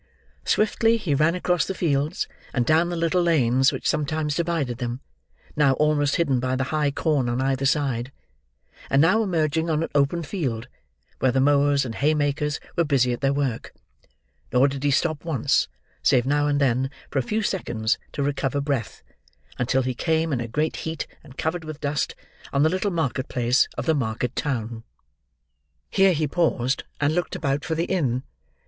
Swiftly he ran across the fields, and down the little lanes which sometimes divided them: now almost hidden by the high corn on either side, and now emerging on an open field, where the mowers and haymakers were busy at their work: nor did he stop once, save now and then, for a few seconds, to recover breath, until he came, in a great heat, and covered with dust, on the little market place of the market town. Here he paused, and looked about for the inn.